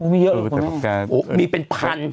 มีเยอะหรือเปล่านั้นโอ้โหมีเป็นพันธุ์